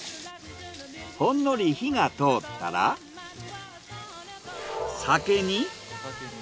ほんのり火が通ったら酒に。